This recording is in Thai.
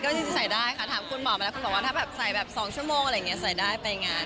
ก็ใส่ได้ค่ะถามคุณหมอไปแล้วคุณบอกว่าถ้าแบบใส่แบบ๒ชั่วโมงอะไรอย่างนี้ใส่ได้ไปงาน